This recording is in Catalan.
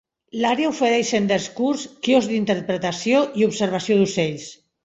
L'àrea ofereix senders curts, quioscs d'interpretació i observació d'ocells.